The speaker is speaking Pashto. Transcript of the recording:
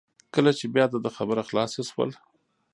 کله چې بیا د ده خبره خلاصه شول.